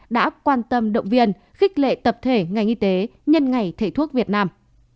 đã quan tâm động viên khích lệ tập thể ngành y tế nhân ngày thầy thuốc việt nam